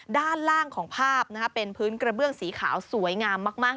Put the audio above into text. ด้านล่างของภาพเป็นพื้นกระเบื้องสีขาวสวยงามมาก